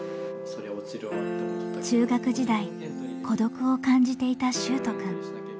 中学時代孤独を感じていた秀斗くん。